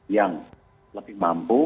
yang lebih mampu